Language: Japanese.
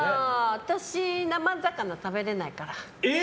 私、生魚食べれないから。